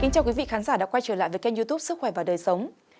chào các khán giả đã quay trở lại với kênh youtube sức khỏe và đời sống